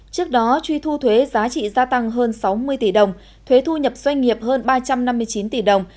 trước đó truy thu thuế giá trị gia tăng hơn sáu mươi tỷ đồng thuế thu nhập doanh nghiệp hơn ba trăm năm mươi chín tỷ đồng